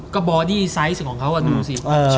ก็บอดี้ไซซของเค้าดูดูสิ